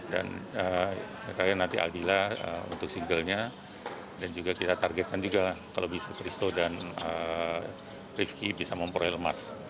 dan nanti adila untuk singlenya dan juga kita targetkan juga kalau bisa christo dan rifki bisa memproyek lemas